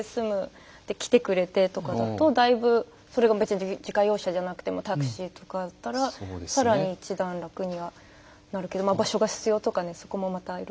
で来てくれてとかだとだいぶそれは自家用車じゃなくてもタクシーとかだったらさらに一段楽にはなるけど場所が必要とかでそこもまたいろいろありますけど。